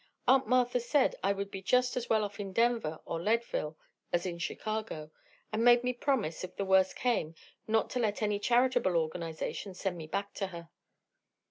Aunt Martha said I would be just as well off in Denver or Leadville as in Chicago, and made me promise, if the worst came, not to let any charitable organization send me back to her."